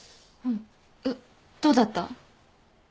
んっどうだった？